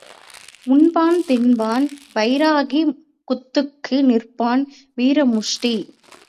உண்பான் தின்பான் பைராகி குத்துக்கு நிற்பான் வீர முஷ்டி.